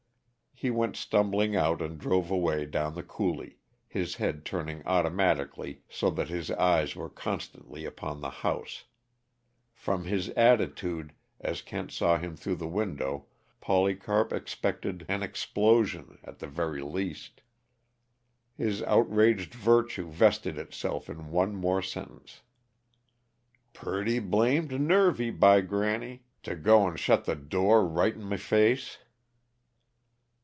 He went stumbling out and drove away down the coulee, his head turning automatically so that his eyes were constantly upon the house; from his attitude, as Kent saw him through the window Polycarp expected an explosion, at the very least. His outraged virtue vested itself in one more sentence; "Purty blamed nervy, by granny to go 'n' shut the door right in m' face!"